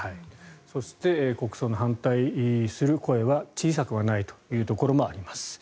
そして国葬に反対する声は小さくはないというところもあります。